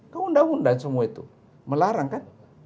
keundang undang semua itu melarang kan